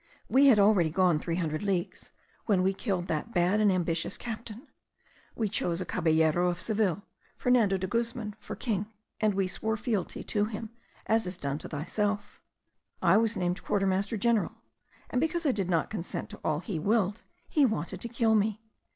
We had already gone three hundred leagues when we killed that bad and ambitious captain. We chose a caballero of Seville, Fernando de Guzman, for king: and we swore fealty to him, as is done to thyself. I was named quarter master general: and because I did not consent to all he willed, he wanted to kill me.